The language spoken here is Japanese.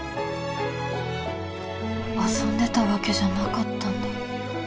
遊んでたわけじゃなかったんだ